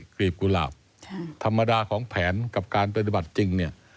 กลีบกุหลาบธรรมดาของแผนกับการปฏิบัติจริงเนี่ย